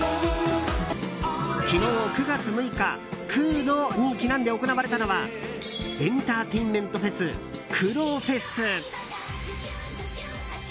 昨日９月６日クロにちなんで行われたのはエンターテインメントフェス黒フェス。